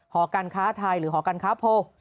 หอการค้าไทยหรือหอการค้าโพล